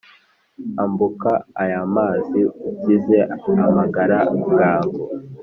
ambuka ayamazi ukize amagara bwangu